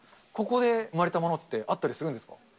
ここで生まれたものってあったりするんですか。